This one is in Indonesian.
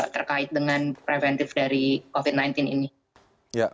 terkait dengan preventif dari covid sembilan belas ini